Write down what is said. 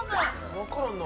わからんな。